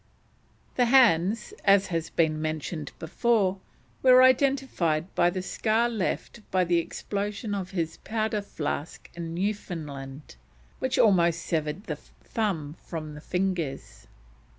The hands, as has been mentioned before, were identified by the scar left by the explosion of his powder flask in Newfoundland, which almost severed the thumb from the fingers.